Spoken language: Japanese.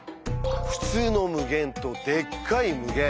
「ふつうの無限」と「でっかい無限」